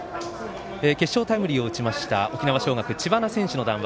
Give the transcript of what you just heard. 決勝タイムリーを打ちました沖縄尚学、知花選手の談話